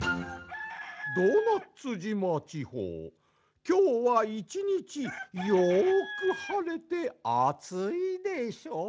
どーなっつじまちほうきょうは１にちよくはれてあついでしょう。